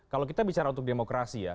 kalau kita bicara untuk demokrasi ya